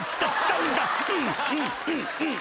うんうんうん。